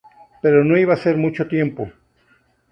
Pero no iba a ser por mucho tiempo.